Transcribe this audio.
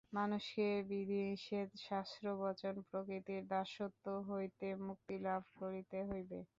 মানুষকে বিধিনিষেধ শাস্ত্রবচন প্রভৃতির দাসত্ব হইতে মুক্তিলাভ করিতে হইবে।